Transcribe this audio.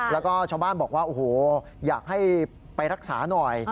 แล้วก็ชาวบ้านบอกว่าโอ้โหอยากให้ไปรักษาหน่อย